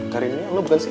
karinnya lo bukan sih